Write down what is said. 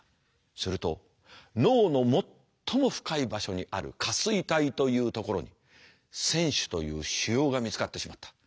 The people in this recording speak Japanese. すると脳の最も深い場所にある下垂体というところに腺腫という腫瘍が見つかってしまった。